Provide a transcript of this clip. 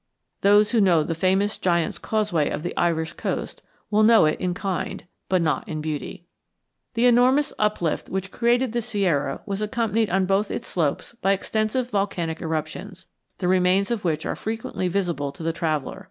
Those who know the famous Giant's Causeway of the Irish coast will know it in kind, but not in beauty. The enormous uplift which created the Sierra was accompanied on both its slopes by extensive volcanic eruptions, the remains of which are frequently visible to the traveller.